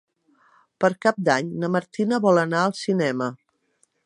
Per Cap d'Any na Martina vol anar al cinema.